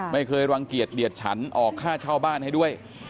ไม่เคยรังเกียจเดียดฉันออกค่าเช่าบ้านให้ด้วย